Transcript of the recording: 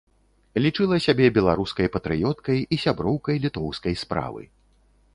Лічыла сябе беларускай патрыёткай і сяброўкай літоўскай справы.